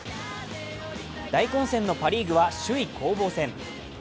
大混戦のパ・リーグは首位攻防戦。